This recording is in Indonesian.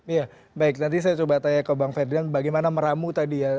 ya baik nanti saya coba tanya ke bang ferdinand bagaimana meramu tadi ya